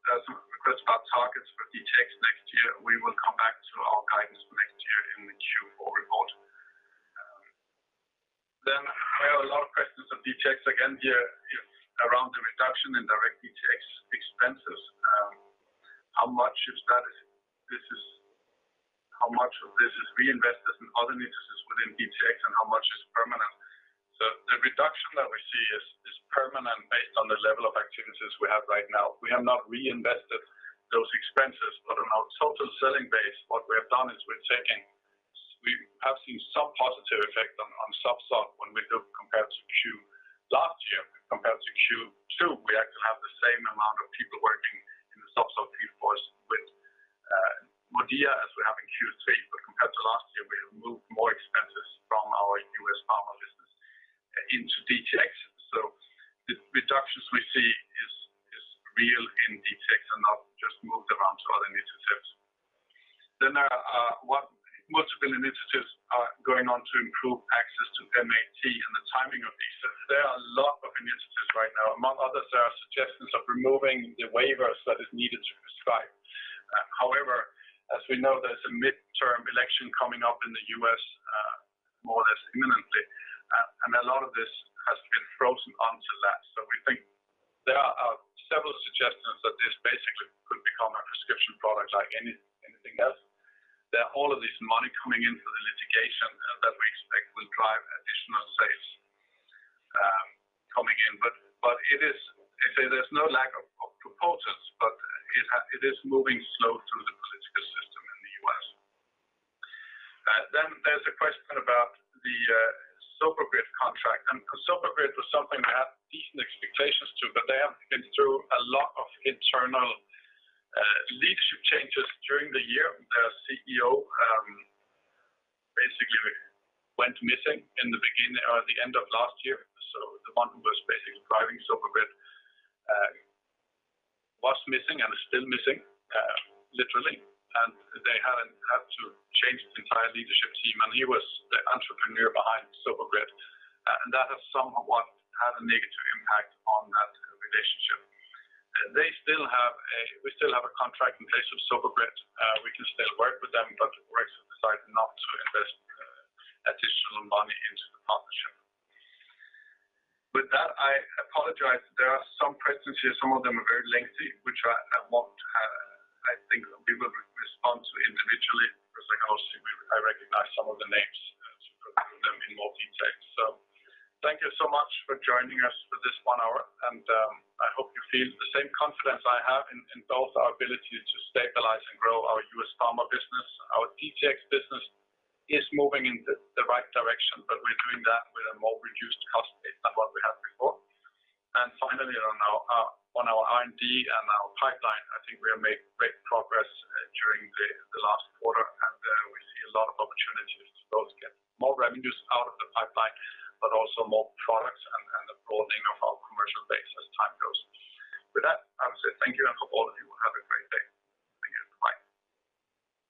Speaker 1: properties. Then we have some requests about targets for DTx next year, we will come back to our guidance for next year in the Q4 report. I have a lot of questions on DTx again here, around the reduction in direct DTx expenses. How much of this is reinvested in other initiatives within DTx and how much is permanent? The reduction that we see is permanent based on the level of activities we have right now. We have not reinvested those expenses, but on our total selling base, what we have done is, we’re checking, we have seen some positive effect on ZUBSOLV when we do compared to Q2 last year compared to Q2. We actually have the same amount of people working in the ZUBSOLV field force with MODIA as we have in Q3. Compared to last year, we have moved more expenses from our U.S. Pharma business into DTx. The reductions we see is real in DTx and not just moved around to other initiatives. There are multiple initiatives going on to improve access to MAT and the timing of these. There are a lot of initiatives right now. Among others, there are suggestions of removing the waivers that is needed to prescribe. However, as we know, there's a midterm election coming up in the U.S., more or less imminently. A lot of this has been frozen until that. We think there are several suggestions that this basically could become a prescription product like anything else. That all of this money coming in for the litigation that we expect will drive additional sales coming in. It is moving slow through the political system in the U.S. There's a question about the Sober Grid contract. Sober Grid was something I had decent expectations to, but they have been through a lot of internal leadership changes during the year. Their CEO basically went missing in the beginning or the end of last year. The one who was basically driving Sober Grid was missing and is still missing, literally. They had to change the entire leadership team, and he was the entrepreneur behind Sober Grid. That has somewhat had a negative impact on that relationship. We still have a contract in place with Sober Grid. We can still work with them, but we've decided not to invest additional money into the partnership. With that, I apologize. There are some questions here. Some of them are very lengthy, which I won't have. I think we will respond to individually because I can also recognize some of the names to go through them in more detail. Thank you so much for joining us for this one hour, and I hope you feel the same confidence I have in both our ability to stabilize and grow our U.S. Pharma business. Our DTx business is moving in the right direction, but we're doing that with a more reduced cost base than what we had before. Finally, on our R&D and our pipeline, I think we have made great progress during the last quarter. We see a lot of opportunities to both get more revenues out of the pipeline, but also more products and the broadening of our commercial base as time goes. With that, I would say thank you and for all of you, have a great day. Thank you. Bye.